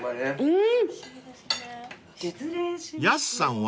うん。